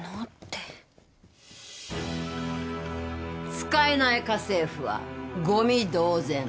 使えない家政婦はゴミ同然！